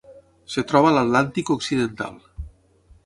Es troba a l'Atlàntic occidental.